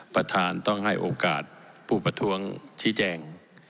ประธานต้องให้โอกาสผู้ประท้วงชี้แจง